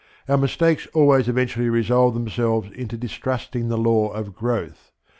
Our mistakes always eventually resolve themselves into distrusting the law of growth.